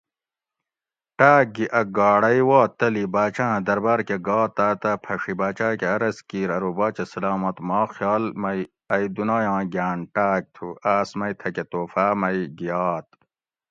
ٹاۤک گھی ا گاڑے وا تلی باچاۤں درباۤر کہ گا تاتہ پھڛی باچاۤ کہ عرض کیر ارو باچہ سلامت ما خیال مئی ائی دُنایاں گھاۤن ٹاۤک تھو آس مئی تھکہ تحفاۤ مئی گھیات